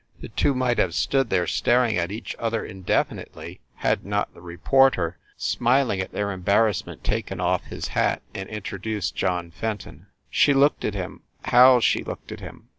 The two might have stood there staring at each other indefinitely, had not the re porter, smiling at their embarrassment, taken off his hat, and introduced John Fenton. She looked at him how she looked at him!